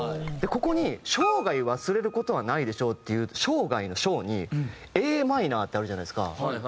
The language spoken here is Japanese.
ここに「生涯忘れることはないでしょう」っていう「生涯」の「生」に「Ａｍ」ってあるじゃないですか。